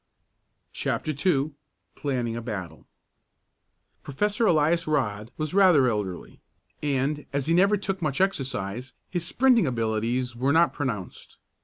CHAPTER II PLANNING A BATTLE Professor Elias Rodd was rather elderly, and, as he never took much exercise, his sprinting abilities were not pronounced.